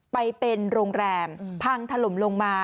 ไปเป็นโรงแรมพังถล่มลงมา